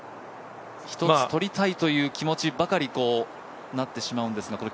一つ、取りたいという気持ちばかりなってしまうんですが９